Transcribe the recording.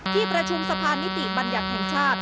ที่ประชุมสะพานนิติบัญญัติแห่งชาติ